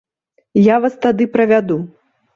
Я вас тады правяду.